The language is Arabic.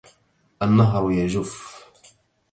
النهر يجف.